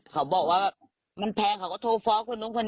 เขาบอกว่ามันแพงเขาก็โทรฟอร์คคุณนุ้งพะนิด